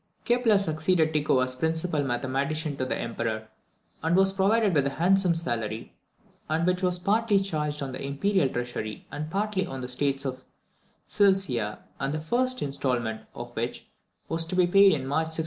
Kepler succeeded Tycho as principal mathematician to the Emperor, and was provided with a handsome salary, which was partly charged on the imperial treasury, and partly on the States of Silesia, and the first instalment of which was to be paid in March 1602.